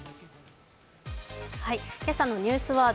今朝のニュースワード。